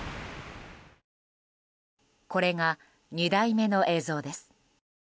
これが２台目の映像です。